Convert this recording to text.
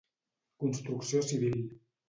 Construcció civil.